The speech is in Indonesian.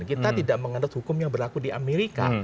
kita tidak menganut hukum yang berlaku di amerika